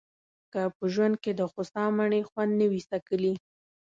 که په ژوند کې دخوسا مڼې خوند نه وي څکلی.